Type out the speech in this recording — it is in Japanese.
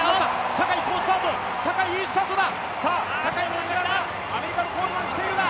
坂井、好スタート、坂井いいスタートだ。